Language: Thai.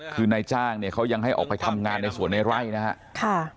คือนายจ้างเนี่ยเขายังให้ออกไปทำงานในสวนในไร่นะครับ